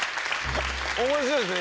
面白いですね